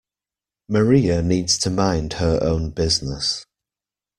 Maria needs to mind her own business.